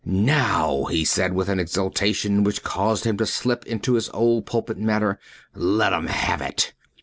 "Now," he said, with an exultation which caused him to slip into his old pulpit manner, "let 'em have it."